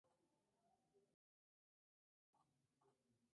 Para impedir su elección fue encarcelada injustamente.